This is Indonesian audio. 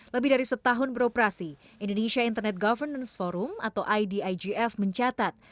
lebih dari setahun beroperasi indonesia internet governance forum atau idigf mencatat